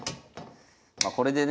まこれでね